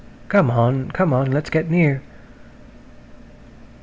"Come on! Come on! Let's get near."